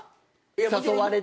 誘われて。